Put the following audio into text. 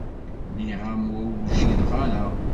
Nniɣ-am ur wjideɣ ara.